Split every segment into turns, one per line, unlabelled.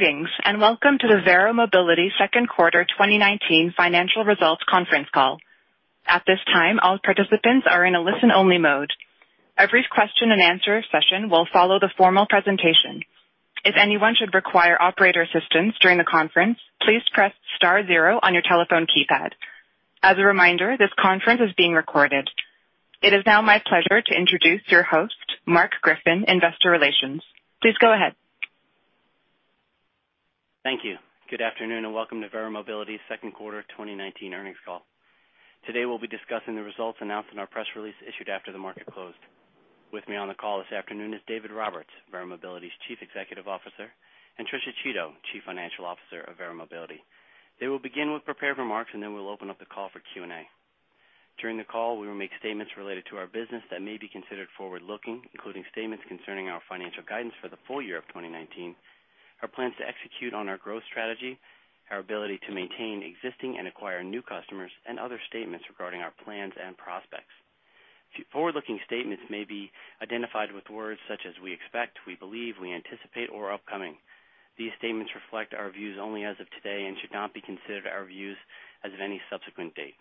Greetings, and welcome to the Verra Mobility second quarter 2019 financial results conference call. At this time, all participants are in a listen-only mode. A brief question and answer session will follow the formal presentation. If anyone should require operator assistance during the conference, please press star zero on your telephone keypad. As a reminder, this conference is being recorded. It is now my pleasure to introduce your host, Mark Zindler, Vice President, Investor Relations. Please go ahead.
Thank you. Good afternoon, and welcome to Verra Mobility's second quarter 2019 earnings call. Today, we'll be discussing the results announced in our press release issued after the market closed. With me on the call this afternoon is David Roberts, Verra Mobility's chief executive officer, and Patricia Chiodo, chief financial officer of Verra Mobility. They will begin with prepared remarks, and then we'll open up the call for Q&A. During the call, we will make statements related to our business that may be considered forward-looking, including statements concerning our financial guidance for the full year of 2019, our plans to execute on our growth strategy, our ability to maintain existing and acquire new customers, and other statements regarding our plans and prospects. Forward-looking statements may be identified with words such as "we expect," "we believe," "we anticipate," or, "upcoming." These statements reflect our views only as of today and should not be considered our views as of any subsequent date.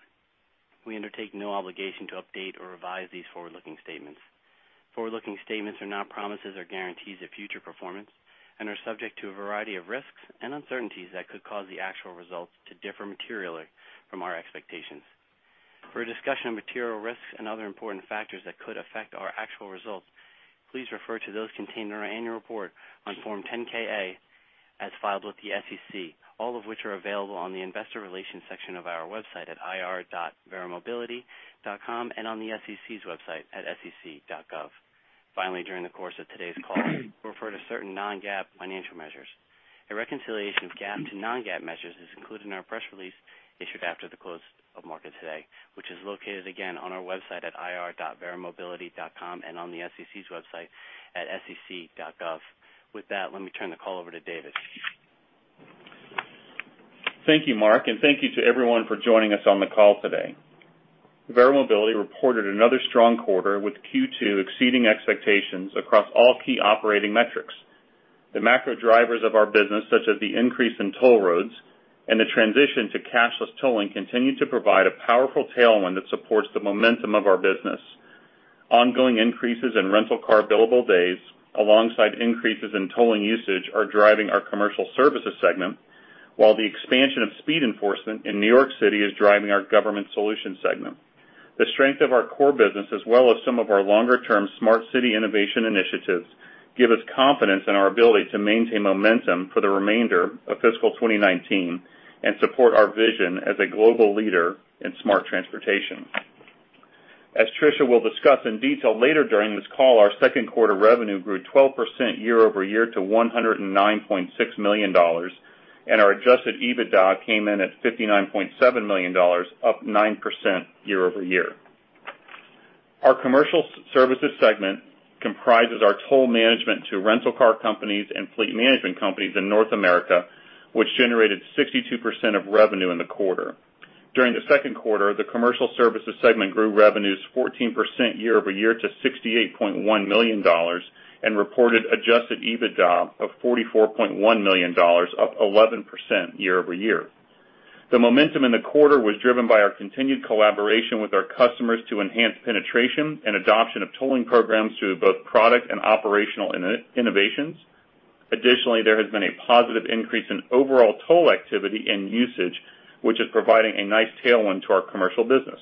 We undertake no obligation to update or revise these forward-looking statements. Forward-looking statements are not promises or guarantees of future performance and are subject to a variety of risks and uncertainties that could cause the actual results to differ materially from our expectations. For a discussion of material risks and other important factors that could affect our actual results, please refer to those contained in our annual report on Form 10-K/A as filed with the SEC, all of which are available on the investor relations section of our website at ir.verramobility.com and on the SEC's website at sec.gov. Finally, during the course of today's call, we'll refer to certain non-GAAP financial measures. A reconciliation of GAAP to non-GAAP measures is included in our press release issued after the close of market today, which is located again on our website at ir.verramobility.com and on the SEC's website at sec.gov. With that, let me turn the call over to David.
Thank you, Mark, and thank you to everyone for joining us on the call today. Verra Mobility reported another strong quarter with Q2 exceeding expectations across all key operating metrics. The macro drivers of our business, such as the increase in toll roads and the transition to cashless tolling, continue to provide a powerful tailwind that supports the momentum of our business. Ongoing increases in rental car billable days alongside increases in tolling usage are driving our commercial services segment, while the expansion of speed enforcement in New York City is driving our government solutions segment. The strength of our core business as well as some of our longer-term smart city innovation initiatives give us confidence in our ability to maintain momentum for the remainder of fiscal 2019 and support our vision as a global leader in smart transportation. As Tricia will discuss in detail later during this call, our second quarter revenue grew 12% year-over-year to $109.6 million, and our adjusted EBITDA came in at $59.7 million, up 9% year-over-year. Our commercial services segment comprises our toll management to rental car companies and fleet management companies in North America, which generated 62% of revenue in the quarter. During the second quarter, the commercial services segment grew revenues 14% year-over-year to $68.1 million and reported adjusted EBITDA of $44.1 million, up 11% year-over-year. The momentum in the quarter was driven by our continued collaboration with our customers to enhance penetration and adoption of tolling programs through both product and operational innovations. Additionally, there has been a positive increase in overall toll activity and usage, which is providing a nice tailwind to our commercial business.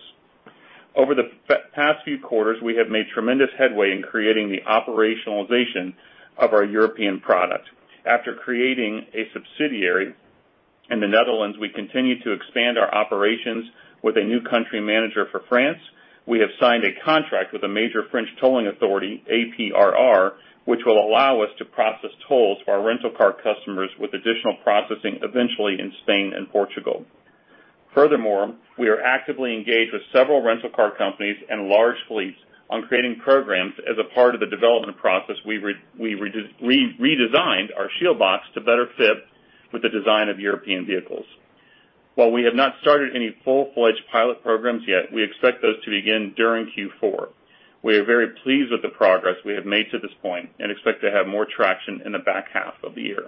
Over the past few quarters, we have made tremendous headway in creating the operationalization of our European product. After creating a subsidiary in the Netherlands, we continue to expand our operations with a new country manager for France. We have signed a contract with a major French tolling authority, APRR, which will allow us to process tolls for our rental car customers with additional processing eventually in Spain and Portugal. We are actively engaged with several rental car companies and large fleets on creating programs. As a part of the development process, we redesigned our shield box to better fit with the design of European vehicles. While we have not started any full-fledged pilot programs yet, we expect those to begin during Q4. We are very pleased with the progress we have made to this point and expect to have more traction in the back half of the year.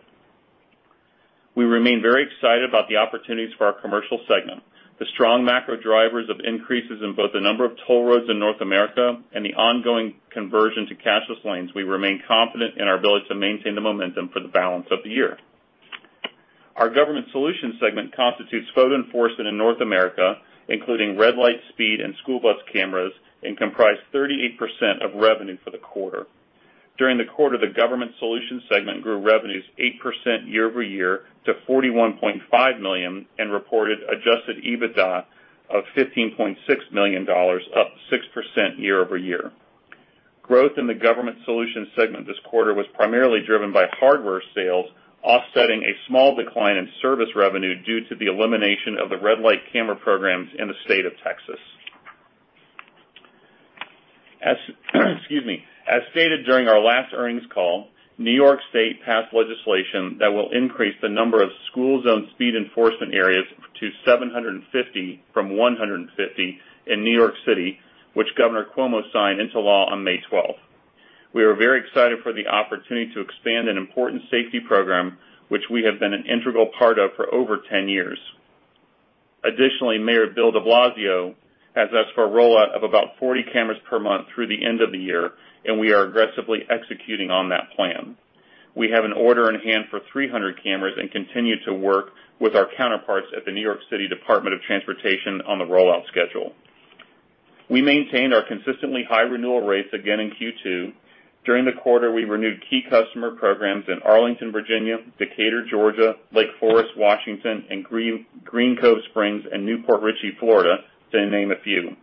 We remain very excited about the opportunities for our commercial segment. The strong macro drivers of increases in both the number of toll roads in North America and the ongoing conversion to cashless lanes, we remain confident in our ability to maintain the momentum for the balance of the year. Our government solutions segment constitutes photo enforcement in North America, including red light, speed, and school bus cameras, and comprised 38% of revenue for the quarter. During the quarter, the government solutions segment grew revenues 8% year over year to $41.5 million and reported adjusted EBITDA of $15.6 million, up 6% year over year. Growth in the government solutions segment this quarter was primarily driven by hardware sales offsetting a small decline in service revenue due to the elimination of the red light camera programs in the state of Texas. Excuse me. As stated during our last earnings call, New York State passed legislation that will increase the number of school zone speed enforcement areas to 750 from 150 in New York City, which Governor Cuomo signed into law on May 12th. We are very excited for the opportunity to expand an important safety program, which we have been an integral part of for over 10 years. Additionally, Mayor Bill de Blasio has us for a rollout of about 40 cameras per month through the end of the year, and we are aggressively executing on that plan. We have an order in hand for 300 cameras and continue to work with our counterparts at the New York City Department of Transportation on the rollout schedule. We maintained our consistently high renewal rates again in Q2. During the quarter, we renewed key customer programs in Arlington, Virginia, Decatur, Georgia, Lake Forest Park, Washington, and Green Cove Springs and New Port Richey, Florida, to name a few.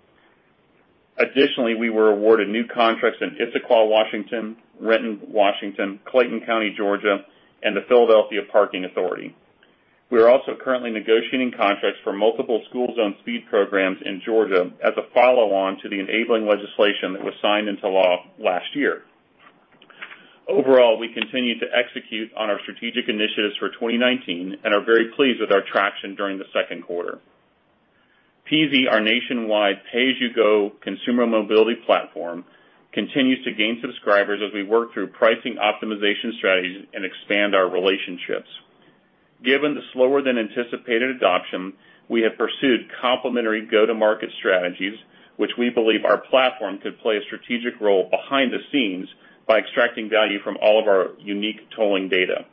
Additionally, we were awarded new contracts in Issaquah, Washington, Renton, Washington, Clayton County, Georgia, and the Philadelphia Parking Authority. We are also currently negotiating contracts for multiple school zone speed programs in Georgia as a follow-on to the enabling legislation that was signed into law last year. Overall, we continue to execute on our strategic initiatives for 2019 and are very pleased with our traction during the second quarter. Peasy, our nationwide pay-as-you-go consumer mobility platform, continues to gain subscribers as we work through pricing optimization strategies and expand our relationships. Given the slower-than-anticipated adoption, we have pursued complementary go-to-market strategies, which we believe our platform could play a strategic role behind the scenes by extracting value from all of our unique tolling data.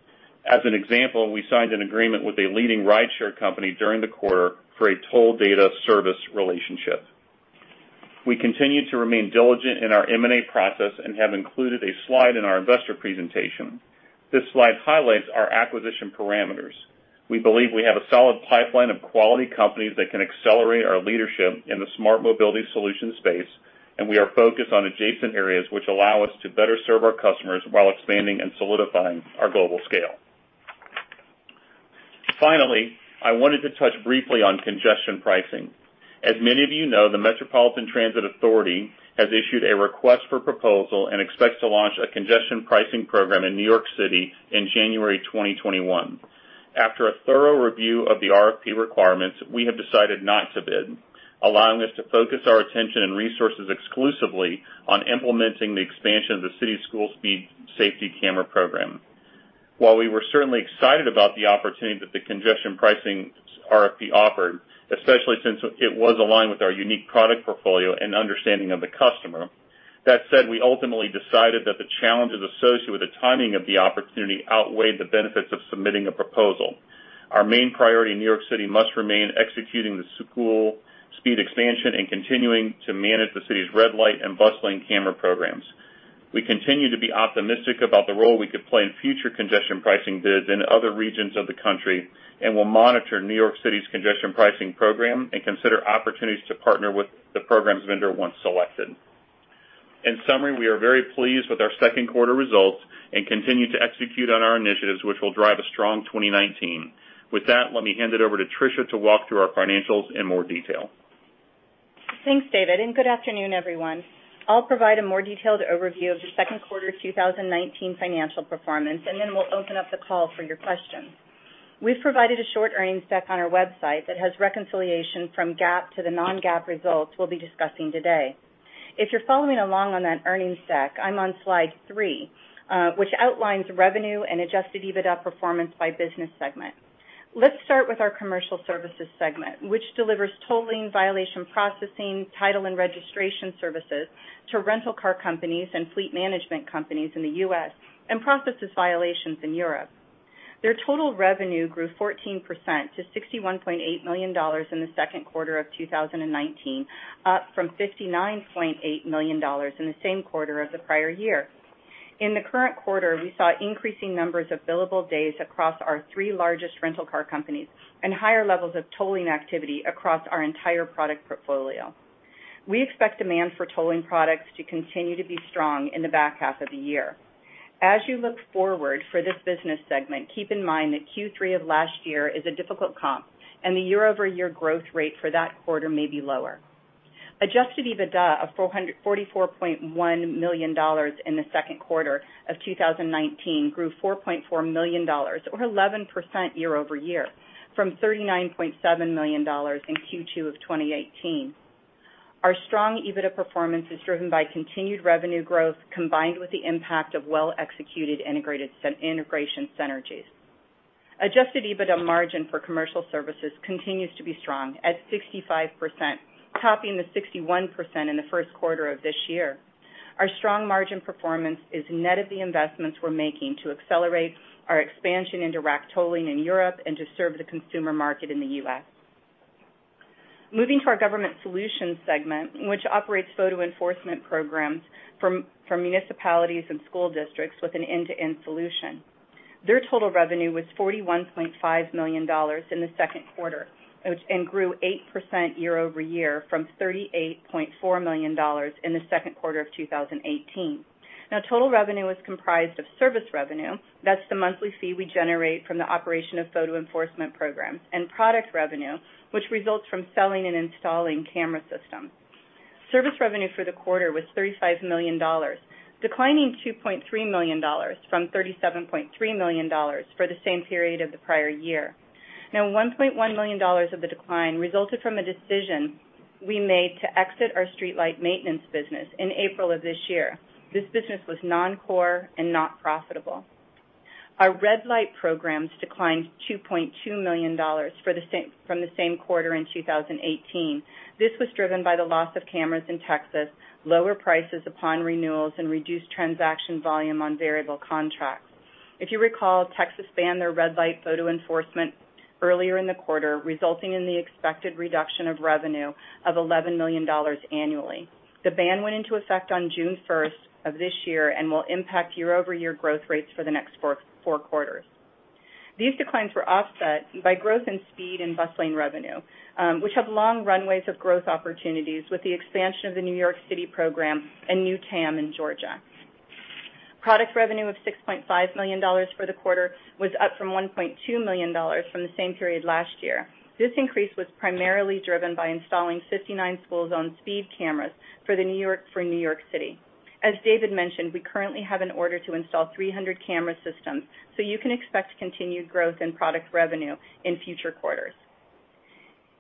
As an example, we signed an agreement with a leading rideshare company during the quarter for a toll data service relationship. We continue to remain diligent in our M&A process and have included a slide in our investor presentation. This slide highlights our acquisition parameters. We believe we have a solid pipeline of quality companies that can accelerate our leadership in the smart mobility solution space. We are focused on adjacent areas which allow us to better serve our customers while expanding and solidifying our global scale. Finally, I wanted to touch briefly on congestion pricing. As many of you know, the Metropolitan Transportation Authority has issued a request for proposal and expects to launch a congestion pricing program in New York City in January 2021. After a thorough review of the RFP requirements, we have decided not to bid, allowing us to focus our attention and resources exclusively on implementing the expansion of the city's School Speed Safety Camera Program. While we were certainly excited about the opportunity that the congestion pricing RFP offered, especially since it was aligned with our unique product portfolio and understanding of the customer. That said, we ultimately decided that the challenges associated with the timing of the opportunity outweighed the benefits of submitting a proposal. Our main priority in New York City must remain executing the School Speed Expansion and continuing to manage the city's Red Light and Bus Lane Camera Programs. We continue to be optimistic about the role we could play in future congestion pricing bids in other regions of the country and will monitor New York City's congestion pricing program and consider opportunities to partner with the program's vendor once selected. In summary, we are very pleased with our second quarter results and continue to execute on our initiatives, which will drive a strong 2019. With that, let me hand it over to Tricia to walk through our financials in more detail.
Thanks, David. Good afternoon, everyone. I'll provide a more detailed overview of the second quarter 2019 financial performance. Then we'll open up the call for your questions. We've provided a short earnings deck on our website that has reconciliation from GAAP to the non-GAAP results we'll be discussing today. If you're following along on that earnings deck, I'm on slide three, which outlines revenue and adjusted EBITDA performance by business segment. Let's start with our Commercial Services segment, which delivers tolling violation processing, title, and registration services to rental car companies and fleet management companies in the U.S. and processes violations in Europe. Their total revenue grew 14% to $61.8 million in the second quarter of 2019, up from $59.8 million in the same quarter of the prior year. In the current quarter, we saw increasing numbers of billable days across our three largest rental car companies and higher levels of tolling activity across our entire product portfolio. We expect demand for tolling products to continue to be strong in the back half of the year. As you look forward for this business segment, keep in mind that Q3 of last year is a difficult comp, and the year-over-year growth rate for that quarter may be lower. Adjusted EBITDA of $44.1 million in the second quarter of 2019 grew $4.4 million or 11% year-over-year from $39.7 million in Q2 of 2018. Our strong EBITDA performance is driven by continued revenue growth combined with the impact of well-executed integration synergies. Adjusted EBITDA margin for commercial services continues to be strong at 65%, topping the 61% in the first quarter of this year. Our strong margin performance is net of the investments we're making to accelerate our expansion into RAC tolling in Europe and to serve the consumer market in the U.S. Moving to our Government Solutions segment, which operates photo enforcement programs for municipalities and school districts with an end-to-end solution. Their total revenue was $41.5 million in the second quarter and grew 8% year-over-year from $38.4 million in the second quarter of 2018. Total revenue is comprised of service revenue. That's the monthly fee we generate from the operation of photo enforcement programs. Product revenue, which results from selling and installing camera systems. Service revenue for the quarter was $35 million, declining $2.3 million from $37.3 million for the same period of the prior year. $1.1 million of the decline resulted from a decision we made to exit our streetlight maintenance business in April of this year. This business was non-core and not profitable. Our red light programs declined $2.2 million from the same quarter in 2018. This was driven by the loss of cameras in Texas, lower prices upon renewals, and reduced transaction volume on variable contracts. If you recall, Texas banned their red light photo enforcement earlier in the quarter, resulting in the expected reduction of revenue of $11 million annually. The ban went into effect on June 1st of this year and will impact year-over-year growth rates for the next four quarters. These declines were offset by growth in speed and bus lane revenue, which have long runways of growth opportunities with the expansion of the New York City program and new TAM in Georgia. Product revenue of $6.5 million for the quarter was up from $1.2 million from the same period last year. This increase was primarily driven by installing 59 school zone speed cameras for New York City. As David mentioned, we currently have an order to install 300 camera systems, so you can expect continued growth in product revenue in future quarters.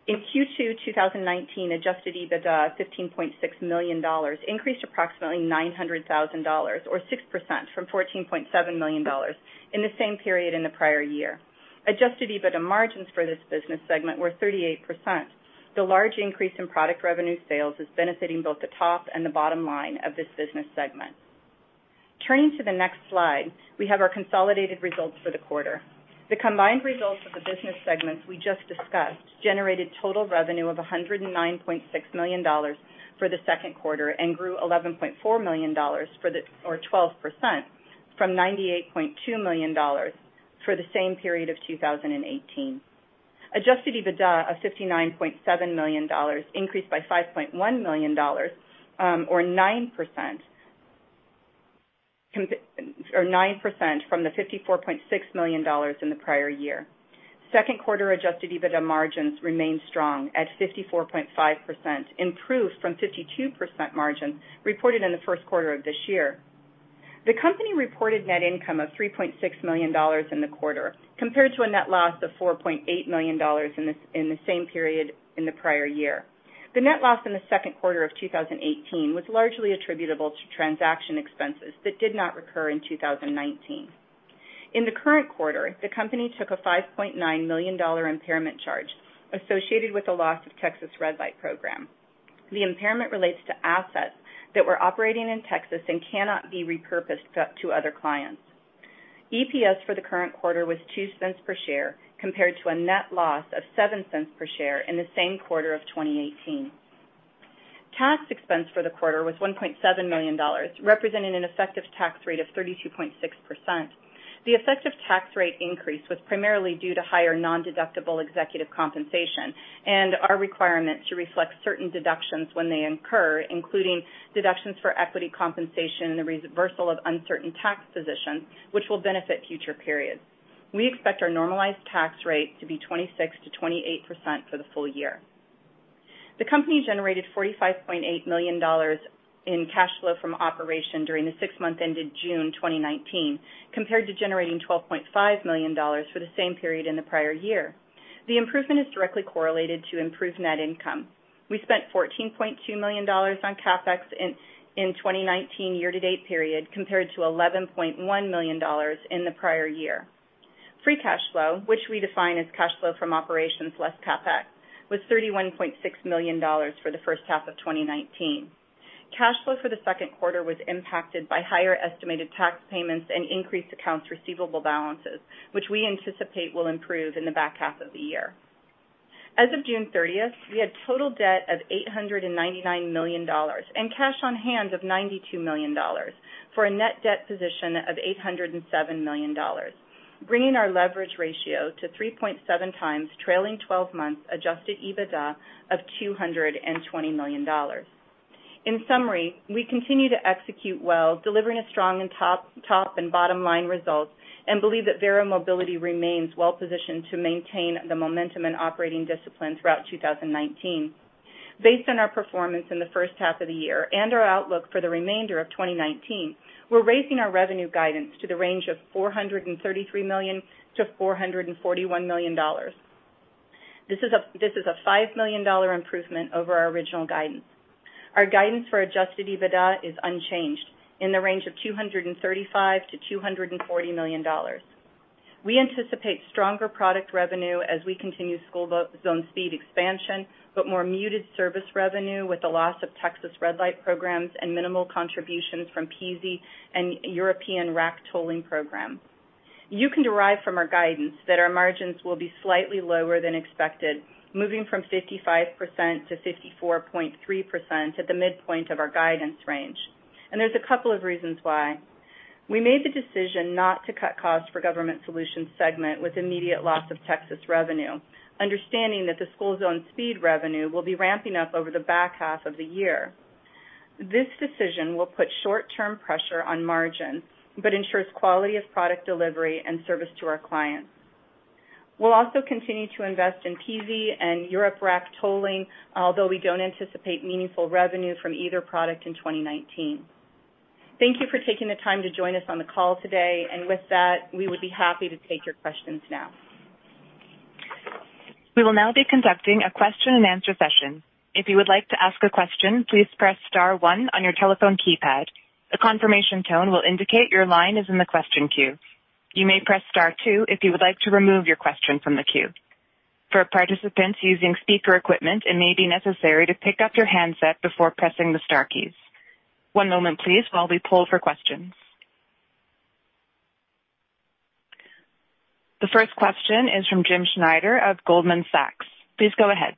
In Q2 2019, adjusted EBITDA of $15.6 million increased approximately $900,000, or 6%, from $14.7 million in the same period in the prior year. Adjusted EBITDA margins for this business segment were 38%. The large increase in product revenue sales is benefiting both the top and the bottom line of this business segment. Turning to the next slide, we have our consolidated results for the quarter. The combined results of the business segments we just discussed generated total revenue of $109.6 million for the second quarter and grew $11.4 million, or 12%, from $98.2 million for the same period of 2018. Adjusted EBITDA of $59.7 million increased by $5.1 million, or 9%, from the $54.6 million in the prior year. Second quarter adjusted EBITDA margins remained strong at 54.5%, improved from 52% margin reported in the first quarter of this year. The company reported net income of $3.6 million in the quarter compared to a net loss of $4.8 million in the same period in the prior year. The net loss in the second quarter of 2018 was largely attributable to transaction expenses that did not recur in 2019. In the current quarter, the company took a $5.9 million impairment charge associated with the loss of Texas red light program. The impairment relates to assets that were operating in Texas and cannot be repurposed to other clients. EPS for the current quarter was $0.02 per share, compared to a net loss of $0.07 per share in the same quarter of 2018. Tax expense for the quarter was $1.7 million, representing an effective tax rate of 32.6%. The effective tax rate increase was primarily due to higher non-deductible executive compensation and our requirement to reflect certain deductions when they incur, including deductions for equity compensation and the reversal of uncertain tax positions, which will benefit future periods. We expect our normalized tax rate to be 26%-28% for the full year. The company generated $45.8 million in cash flow from operation during the six month ended June 2019, compared to generating $12.5 million for the same period in the prior year. The improvement is directly correlated to improved net income. We spent $14.2 million on CapEx in 2019 year-to-date period, compared to $11.1 million in the prior year. Free cash flow, which we define as cash flow from operations less CapEx, was $31.6 million for the first half of 2019. Cash flow for the second quarter was impacted by higher estimated tax payments and increased accounts receivable balances, which we anticipate will improve in the back half of the year. As of June 30th, we had total debt of $899 million and cash on hand of $92 million, for a net debt position of $807 million, bringing our leverage ratio to 3.7 times trailing 12 months adjusted EBITDA of $220 million. In summary, we continue to execute well, delivering strong top and bottom line results and believe that Verra Mobility remains well positioned to maintain the momentum and operating discipline throughout 2019. Based on our performance in the first half of the year and our outlook for the remainder of 2019, we're raising our revenue guidance to the range of $433 million-$441 million. This is a $5 million improvement over our original guidance. Our guidance for adjusted EBITDA is unchanged, in the range of $235 million-$240 million. We anticipate stronger product revenue as we continue school zone speed expansion, but more muted service revenue with the loss of Texas red light programs and minimal contributions from Peasy and European RAC tolling program. You can derive from our guidance that our margins will be slightly lower than expected, moving from 55%-54.3% at the midpoint of our guidance range. There's a couple of reasons why. We made the decision not to cut costs for Government Solutions segment with immediate loss of Texas revenue, understanding that the school zone speed revenue will be ramping up over the back half of the year. This decision will put short-term pressure on margin, but ensures quality of product delivery and service to our clients. We'll also continue to invest in Peasy and Europe RAC tolling, although we don't anticipate meaningful revenue from either product in 2019. Thank you for taking the time to join us on the call today. With that, we would be happy to take your questions now.
We will now be conducting a question and answer session. If you would like to ask a question, please press star one on your telephone keypad. A confirmation tone will indicate your line is in the question queue. You may press star two if you would like to remove your question from the queue. For participants using speaker equipment, it may be necessary to pick up your handset before pressing the star keys. One moment please while we poll for questions. The first question is from James Schneider of Goldman Sachs. Please go ahead.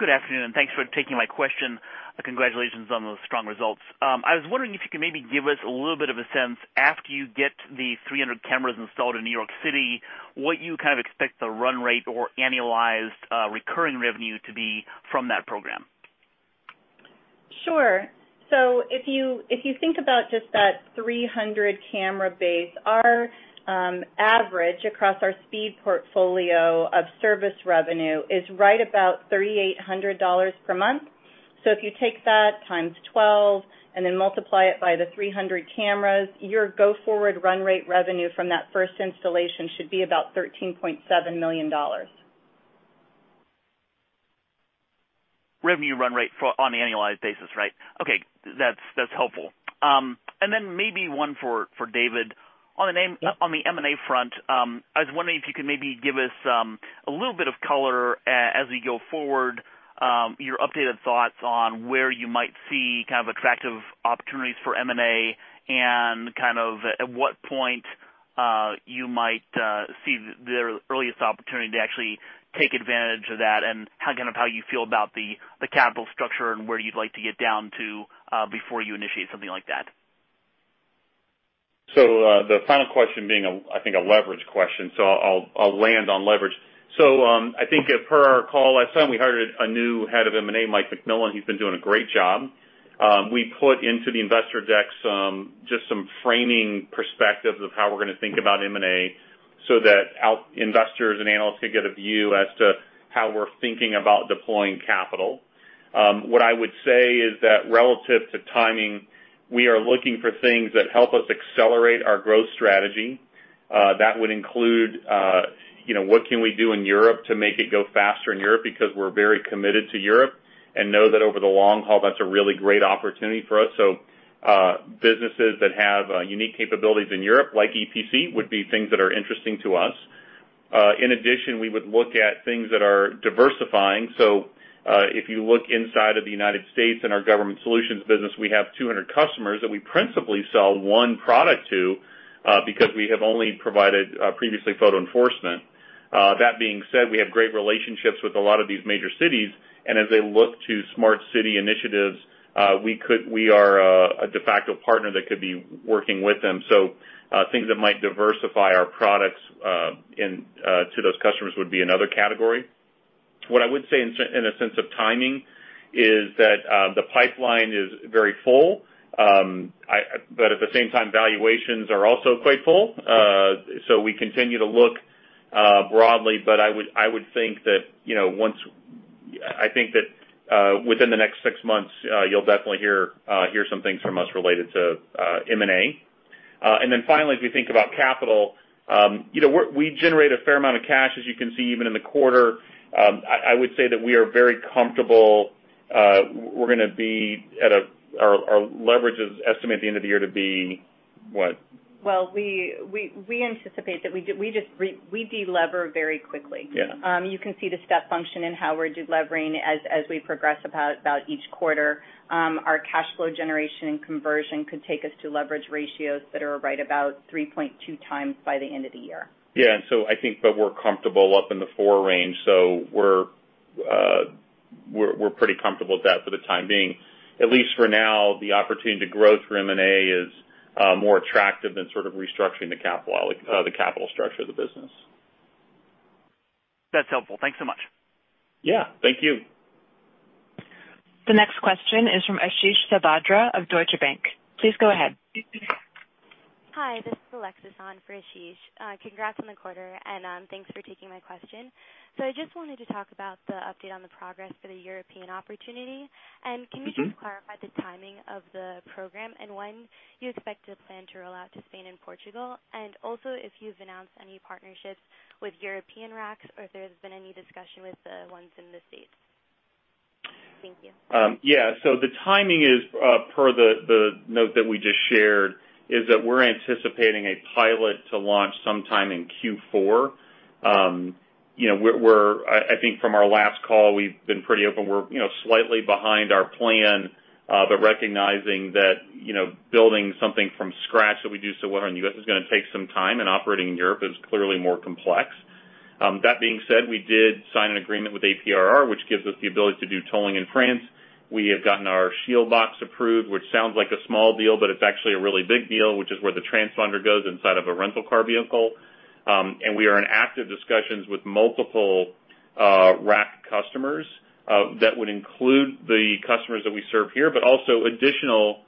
Good afternoon, thanks for taking my question. Congratulations on those strong results. I was wondering if you could maybe give us a little bit of a sense, after you get the 300 cameras installed in New York City, what you kind of expect the run rate or annualized recurring revenue to be from that program?
Sure. If you think about just that 300-camera base, our average across our speed portfolio of service revenue is right about $3,800 per month. If you take that times 12 and then multiply it by the 300 cameras, your go-forward run rate revenue from that first installation should be about $13.7 million.
Revenue run rate on the annualized basis, right? Okay. That's helpful. Maybe one for David.
Yep.
On the M&A front, I was wondering if you could maybe give us a little bit of color as we go forward, your updated thoughts on where you might see kind of attractive opportunities for M&A and kind of at what point you might see the earliest opportunity to actually take advantage of that and kind of how you feel about the capital structure and where you'd like to get down to before you initiate something like that?
The final question being, I think a leverage question. I'll land on leverage. I think per our call last time, we hired a new head of M&A, Mike McMillin. He's been doing a great job. We put into the investor deck just some framing perspective of how we're going to think about M&A so that investors and analysts can get a view as to how we're thinking about deploying capital. What I would say is that relative to timing, we are looking for things that help us accelerate our growth strategy. That would include, what can we do in Europe to make it go faster in Europe? Because we're very committed to Europe and know that over the long haul, that's a really great opportunity for us. Businesses that have unique capabilities in Europe, like EPC, would be things that are interesting to us. We would look at things that are diversifying. If you look inside of the U.S. and our government solutions business, we have 200 customers that we principally sell one product to, because we have only provided previously photo enforcement. That being said, we have great relationships with a lot of these major cities, and as they look to smart city initiatives, we are a de facto partner that could be working with them. Things that might diversify our products to those customers would be another category. What I would say in a sense of timing is that the pipeline is very full. At the same time, valuations are also quite full. We continue to look broadly, but I would think that within the next six months, you'll definitely hear some things from us related to M&A. Finally, as we think about capital, we generate a fair amount of cash, as you can see even in the quarter. I would say that we are very comfortable. Our leverage is estimated at the end of the year to be what?
Well, we de-lever very quickly.
Yeah.
You can see the step function in how we're de-levering as we progress about each quarter. Our cash flow generation and conversion could take us to leverage ratios that are right about 3.2 times by the end of the year.
Yeah. I think, we're comfortable up in the four range, so we're pretty comfortable with that for the time being. At least for now, the opportunity to growth through M&A is more attractive than sort of restructuring the capital structure of the business.
That's helpful. Thanks so much.
Yeah. Thank you.
The next question is from Ashish Sabadra of Deutsche Bank. Please go ahead.
Hi, this is Alexis on for Ashish. Congrats on the quarter, and thanks for taking my question. I just wanted to talk about the update on the progress for the European opportunity. Can you just clarify the timing of the program and when you expect to plan to roll out to Spain and Portugal, and also if you've announced any partnerships with European RACs or if there's been any discussion with the ones in the States? Thank you.
Yeah. The timing is, per the note that we just shared, is that we're anticipating a pilot to launch sometime in Q4. I think from our last call, we've been pretty open. We're slightly behind our plan, but recognizing that building something from scratch that we do so well in the U.S. is going to take some time, and operating in Europe is clearly more complex. That being said, we did sign an agreement with APRR, which gives us the ability to do tolling in France. We have gotten our shield box approved, which sounds like a small deal, but it's actually a really big deal, which is where the transponder goes inside of a rental car vehicle. We are in active discussions with multiple RAC customers that would include the customers that we serve here, but also additional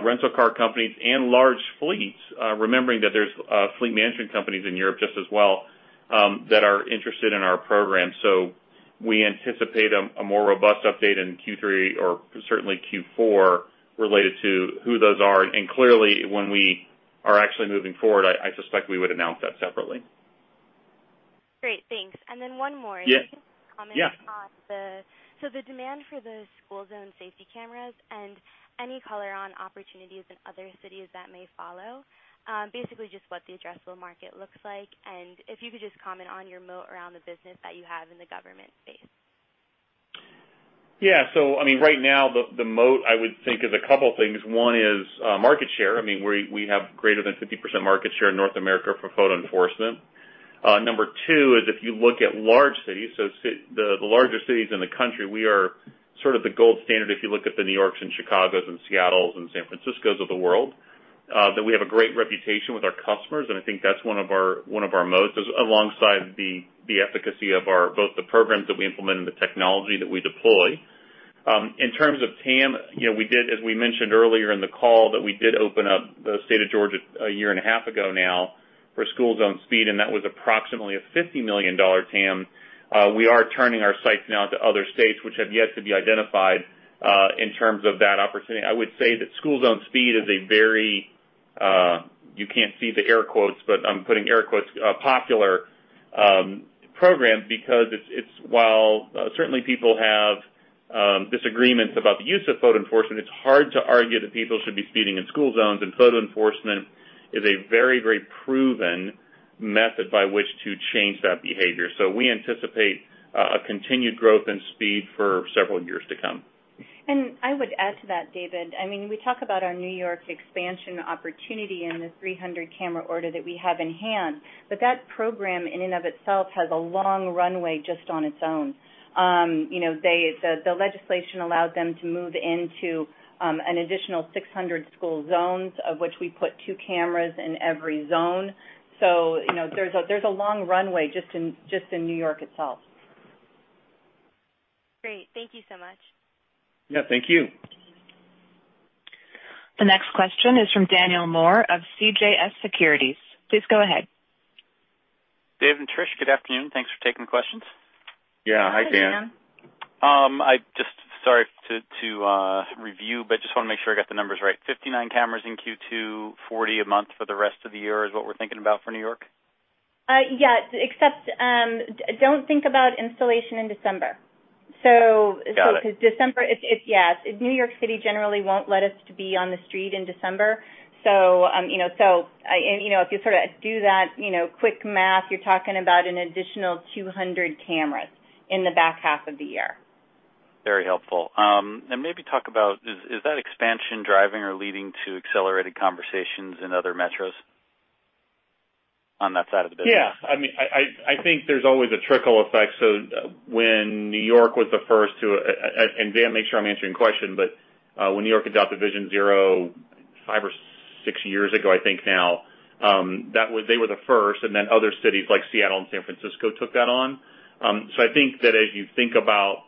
rental car companies and large fleets, remembering that there's fleet management companies in Europe just as well, that are interested in our program. We anticipate a more robust update in Q3, or certainly Q4, related to who those are. Clearly, when we are actually moving forward, I suspect we would announce that separately.
Great. Thanks. One more.
Yeah.
If you could comment on the demand for the school zone safety cameras and any color on opportunities in other cities that may follow. Basically, just what the addressable market looks like, and if you could just comment on your moat around the business that you have in the government space.
Yeah. Right now, the moat, I would think, is a couple things. One is market share. We have greater than 50% market share in North America for photo enforcement. Number two is if you look at large cities, so the larger cities in the country, we are sort of the gold standard if you look at the New Yorks and Chicagos and Seattles and San Franciscos of the world. That we have a great reputation with our customers, and I think that's one of our moats, alongside the efficacy of both the programs that we implement and the technology that we deploy. In terms of TAM, as we mentioned earlier in the call, that we did open up the state of Georgia a year and a half ago now for school zone speed, and that was approximately a $50 million TAM. We are turning our sights now to other states which have yet to be identified in terms of that opportunity. I would say that school zone speed is a very, you can't see the air quotes, but I'm putting air quotes, "popular" program because while certainly people have disagreements about the use of photo enforcement, it's hard to argue that people should be speeding in school zones. Photo enforcement is a very proven method by which to change that behavior. We anticipate a continued growth in speed for several years to come.
I would add to that, David. We talk about our New York expansion opportunity and the 300-camera order that we have in hand, but that program, in and of itself, has a long runway just on its own. The legislation allowed them to move into an additional 600 school zones, of which we put two cameras in every zone. There's a long runway just in New York itself.
Great. Thank you so much.
Yeah, thank you.
The next question is from Daniel Moore of CJS Securities. Please go ahead.
Dave and Tricia, good afternoon. Thanks for taking the questions.
Yeah, hi, Dan.
Hi, Dan.
Sorry to review, just want to make sure I got the numbers right. 59 cameras in Q2, 40 a month for the rest of the year is what we're thinking about for New York?
Yes, except don't think about installation in December.
Got it.
December, yes. New York City generally won't let us be on the street in December. If you do that quick math, you're talking about an additional 200 cameras in the back half of the year.
Very helpful. Maybe talk about, is that expansion driving or leading to accelerated conversations in other metros on that side of the business?
Yeah. I think there's always a trickle effect. When New York was the first to And Dan, make sure I'm answering your question, but when New York adopted Vision Zero five or six years ago, I think now, they were the first, and then other cities like Seattle and San Francisco took that on. I think that as you think about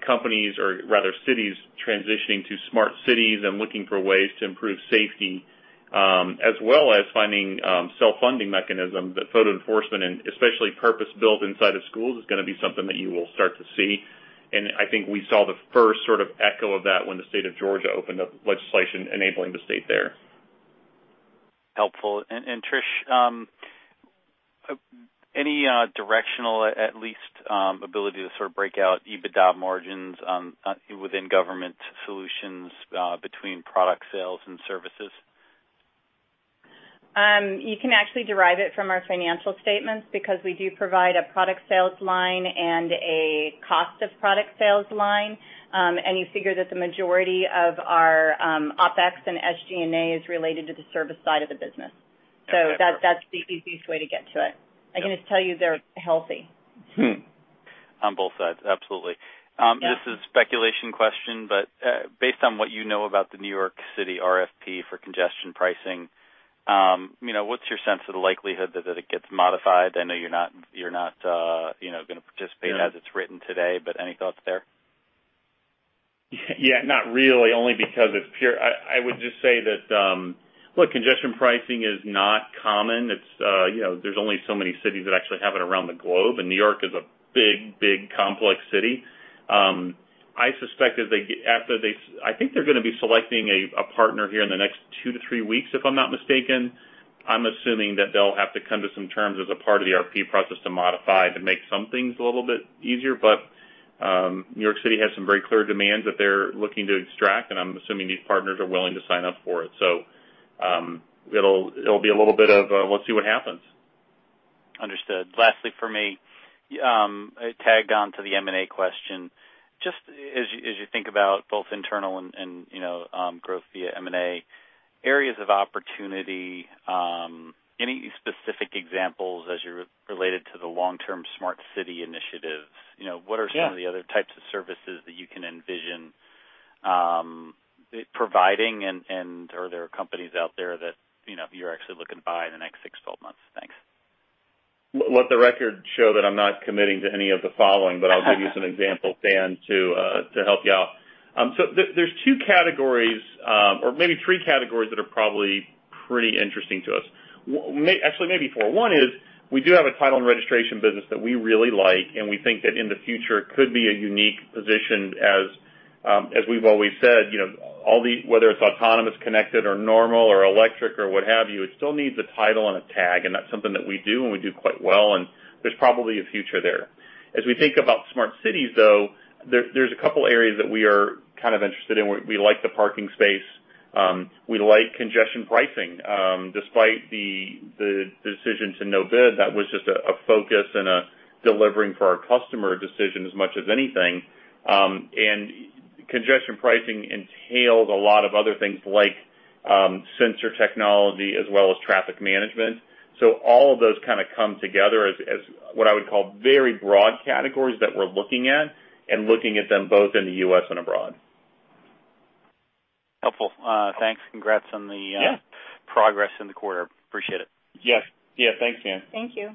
companies, or rather cities transitioning to smart cities and looking for ways to improve safety, as well as finding self-funding mechanism, that photo enforcement and especially purpose-built inside of schools, is going to be something that you will start to see. I think we saw the first echo of that when the state of Georgia opened up legislation enabling the state there.
Helpful. Tricia, any directional, at least ability to sort of break out EBITDA margins within government solutions between product sales and services?
You can actually derive it from our financial statements because we do provide a product sales line and a cost of product sales line. You figure that the majority of our OpEx and SG&A is related to the service side of the business.
Got it.
That's the easiest way to get to it.
Yeah.
I can just tell you they're healthy.
On both sides. Absolutely.
Yeah.
This is a speculation question, but based on what you know about the New York City RFP for congestion pricing, what's your sense of the likelihood that it gets modified? I know you're not going to participate as it's written today, but any thoughts there?
Not really, only because it's pure. I would just say that congestion pricing is not common. There's only so many cities that actually have it around the globe, and New York is a big complex city. I think they're going to be selecting a partner here in the next 2-3 weeks, if I'm not mistaken. I'm assuming that they'll have to come to some terms as a part of the RFP process to modify to make some things a little bit easier, but New York City has some very clear demands that they're looking to extract, and I'm assuming these partners are willing to sign up for it. It'll be a little bit of a let's see what happens.
Understood. Lastly, for me, tagged on to the M&A question. Just as you think about both internal and growth via M&A areas of opportunity, any specific examples as you relate it to the long-term smart city initiatives?
Yeah.
What are some of the other types of services that you can envision providing, and are there companies out there that you're actually looking to buy in the next six to 12 months? Thanks.
Let the record show that I'm not committing to any of the following, but I'll give you some examples, Dan, to help you out. There's two categories, or maybe three categories that are probably pretty interesting to us. Actually, maybe four. One is we do have a title and registration business that we really like, and we think that in the future could be a unique position as we've always said, whether it's autonomous, connected or normal or electric or what have you, it still needs a title and a tag, and that's something that we do, and we do quite well, and there's probably a future there. As we think about smart cities, though, there's a couple areas that we are kind of interested in. We like the parking space. We like congestion pricing. Despite the decision to no bid, that was just a focus and a delivering for our customer decision as much as anything. Congestion pricing entails a lot of other things like sensor technology as well as traffic management. All of those kind of come together as what I would call very broad categories that we're looking at and looking at them both in the U.S. and abroad.
Helpful. Thanks. Congrats on the.
Yeah
progress in the quarter. Appreciate it.
Yeah. Thanks, Dan.
Thank you.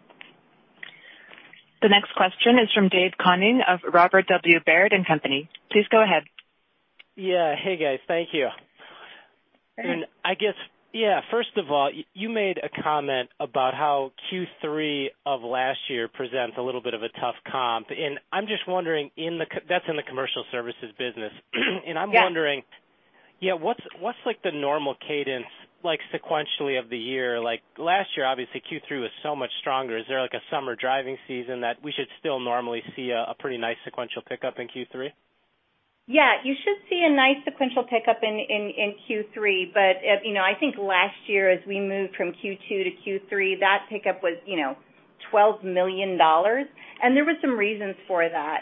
The next question is from David Koning of Robert W. Baird & Co. Please go ahead.
Yeah. Hey, guys. Thank you.
Go ahead.
I guess, yeah, first of all, you made a comment about how Q3 of last year presents a little bit of a tough comp. I'm just wondering, that's in the commercial services business?
Yeah.
I'm wondering what's the normal cadence sequentially of the year? Last year, obviously Q3 was so much stronger. Is there a summer driving season that we should still normally see a pretty nice sequential pickup in Q3?
You should see a nice sequential pickup in Q3, but I think last year as we moved from Q2 to Q3, that pickup was $12 million, and there were some reasons for that.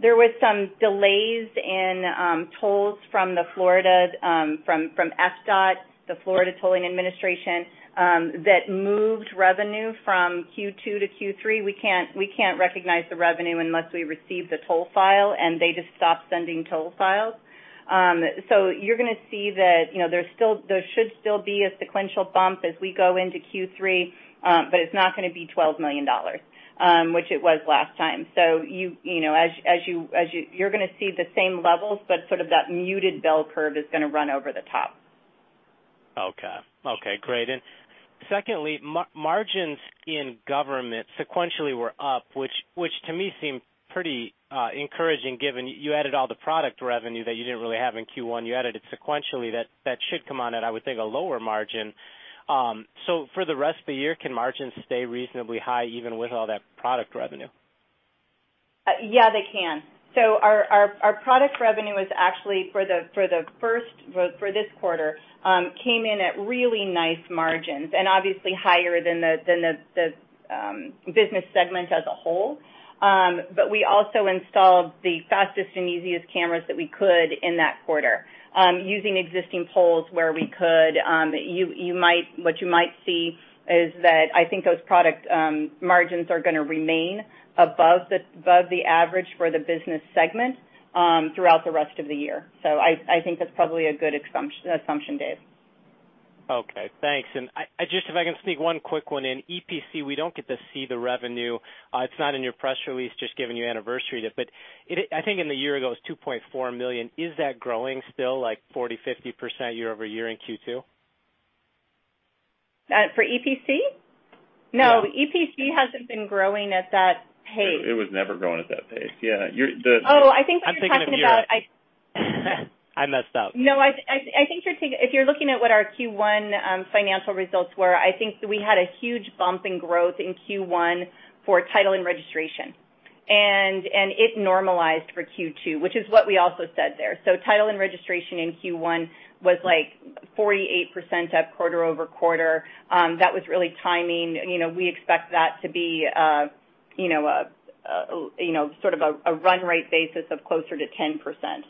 There was some delays in tolls from the Florida, from FDOT, the Florida Department of Transportation, that moved revenue from Q2 to Q3. We can't recognize the revenue unless we receive the toll file, and they just stopped sending toll files. You're going to see that there should still be a sequential bump as we go into Q3, but it's not going to be $12 million, which it was last time. You're going to see the same levels, but sort of that muted bell curve is going to run over the top.
Okay. Great. Secondly, margins in government sequentially were up, which to me seemed pretty encouraging given you added all the product revenue that you didn't really have in Q1. You added it sequentially. That should come on at, I would think, a lower margin. For the rest of the year, can margins stay reasonably high even with all that product revenue?
Yeah, they can. Our product revenue was actually for this quarter, came in at really nice margins and obviously higher than the business segment as a whole. We also installed the fastest and easiest cameras that we could in that quarter, using existing poles where we could. What you might see is that I think those product margins are going to remain above the average for the business segment throughout the rest of the year. I think that's probably a good assumption, Dave.
Okay, thanks. If I can sneak one quick one in. EPC, we don't get to see the revenue. It's not in your press release, just given your anniversary. I think in the year it was $2.4 million. Is that growing still like 40%-50% year-over-year in Q2?
For EPC? No.
Yeah.
EPC hasn't been growing at that pace.
It was never growing at that pace. Yeah.
Oh, I think you're talking about-
I'm thinking of Mira. I messed up.
No, if you're looking at what our Q1 financial results were, I think we had a huge bump in growth in Q1 for title and registration. It normalized for Q2, which is what we also said there. Title and registration in Q1 was like 48% up quarter-over-quarter. That was really timing. We expect that to be sort of a run rate basis of closer to 10%.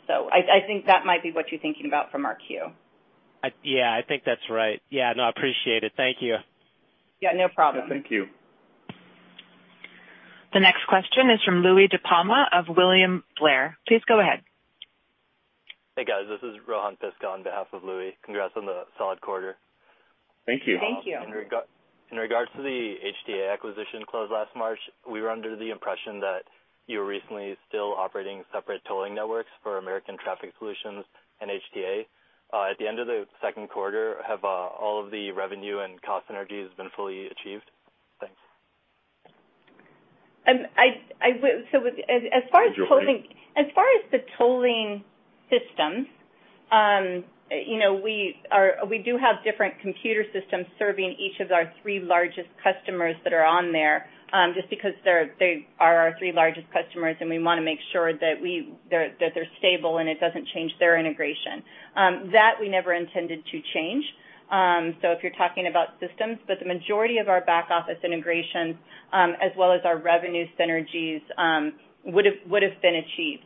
I think that might be what you're thinking about from our queue.
Yeah, I think that's right. Yeah. No, I appreciate it. Thank you.
Yeah, no problem.
Yeah, thank you.
The next question is from Louis DiPalma of William Blair. Please go ahead.
Hey, guys. This is Rohan Piska on behalf of Louis. Congrats on the solid quarter.
Thank you.
Thank you.
In regards to the HTA acquisition closed last March, we were under the impression that you were recently still operating separate tolling networks for American Traffic Solutions and HTA. At the end of the second quarter, have all of the revenue and cost synergies been fully achieved? Thanks.
As far as the tolling systems, we do have different computer systems serving each of our three largest customers that are on there, just because they are our three largest customers, and we want to make sure that they're stable and it doesn't change their integration. That we never intended to change. If you're talking about systems, but the majority of our back office integrations, as well as our revenue synergies, would've been achieved.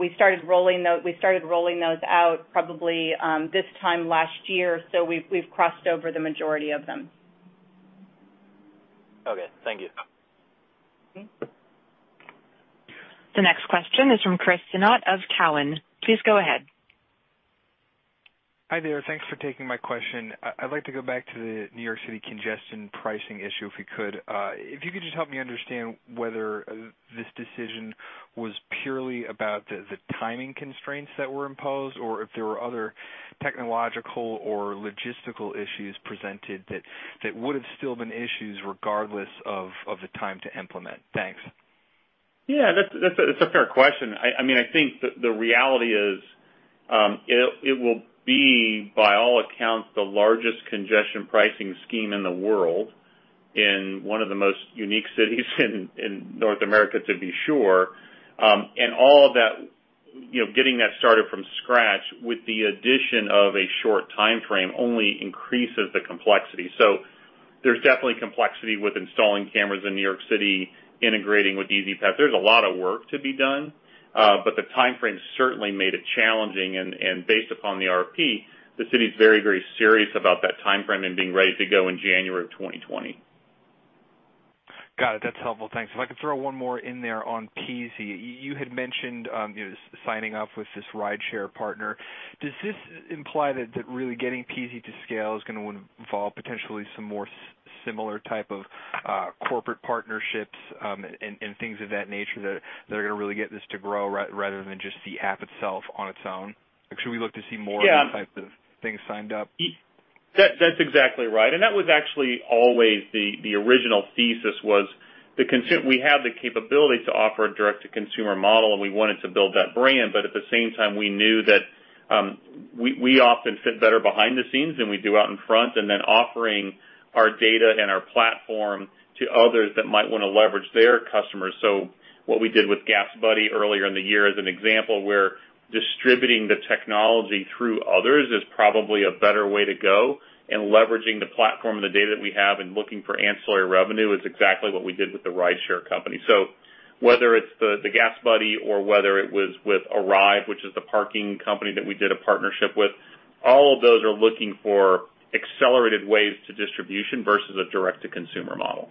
We started rolling those out probably this time last year, so we've crossed over the majority of them.
Okay, thank you.
Okay.
The next question is from Chris Sinnott of Cowen. Please go ahead.
Hi there. Thanks for taking my question. I'd like to go back to the New York City Congestion Pricing issue, if we could. If you could just help me understand whether this decision was purely about the timing constraints that were imposed or if there were other technological or logistical issues presented that would have still been issues regardless of the time to implement? Thanks.
Yeah, that's a fair question. I think the reality is, it will be, by all accounts, the largest congestion pricing scheme in the world in one of the most unique cities in North America, to be sure. All of that, getting that started from scratch with the addition of a short timeframe only increases the complexity. There's definitely complexity with installing cameras in New York City, integrating with E-ZPass. There's a lot of work to be done. The timeframe certainly made it challenging, and based upon the RFP, the city's very serious about that timeframe and being ready to go in January of 2020.
Got it. That's helpful. Thanks. If I could throw one more in there on Peasy. You had mentioned signing up with this rideshare partner. Does this imply that really getting Peasy to scale is going to involve potentially some more similar type of corporate partnerships, and things of that nature that are going to really get this to grow rather than just the app itself on its own? Should we look to see more?
Yeah
of these types of things signed up?
That's exactly right. That was actually always the original thesis was we have the capability to offer a direct-to-consumer model, and we wanted to build that brand. At the same time, we knew that we often fit better behind the scenes than we do out in front, and then offering our data and our platform to others that might want to leverage their customers. What we did with GasBuddy earlier in the year as an example, where distributing the technology through others is probably a better way to go, and leveraging the platform and the data that we have and looking for ancillary revenue is exactly what we did with the rideshare company. Whether it's the GasBuddy or whether it was with Arrive, which is the parking company that we did a partnership with, all of those are looking for accelerated ways to distribution versus a direct-to-consumer model.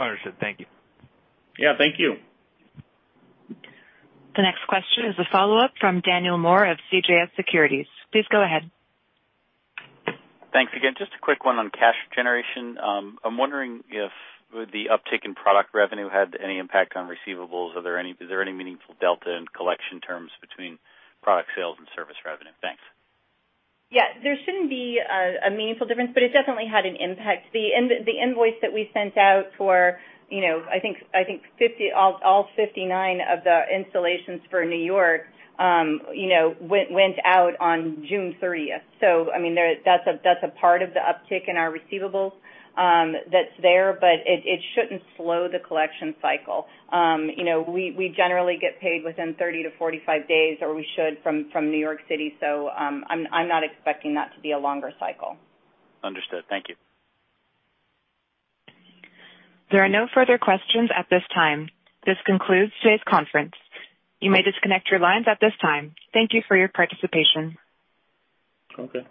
Understood. Thank you.
Yeah, thank you.
The next question is a follow-up from Daniel Moore of CJS Securities. Please go ahead.
Thanks again. Just a quick one on cash generation. I'm wondering if the uptick in product revenue had any impact on receivables. Is there any meaningful delta in collection terms between product sales and service revenue? Thanks.
Yeah. There shouldn't be a meaningful difference, but it definitely had an impact. The invoice that we sent out for I think all 59 of the installations for New York went out on June 30th. That's a part of the uptick in our receivables that's there, but it shouldn't slow the collection cycle. We generally get paid within 30 to 45 days, or we should from New York City, I'm not expecting that to be a longer cycle.
Understood. Thank you.
There are no further questions at this time. This concludes today's conference. You may disconnect your lines at this time. Thank you for your participation.
Okay.